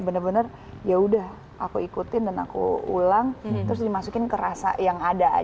bener bener ya udah aku ikutin dan aku ulang terus dimasukin ke rasa yang ada aja